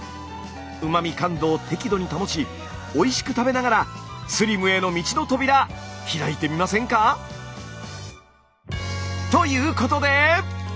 うま味感度を適度に保ちおいしく食べながらスリムへの道の扉ひらいてみませんか？ということで！